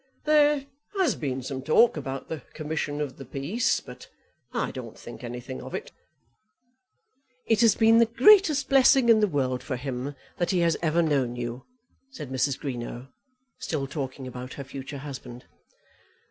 There has been some talk about the Commission of the Peace, but I don't think anything of it." "It has been the greatest blessing in the world for him that he has ever known you," said Mrs. Greenow, still talking about her future husband.